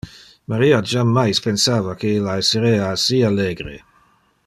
Maria jammais pensava que illa esserea assi allegre.